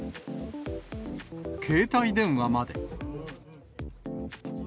携帯電話まで。